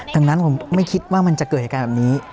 ดังนั้นผมไม่คิดว่ามันจะเกิดเหตุการณ์แบบนี้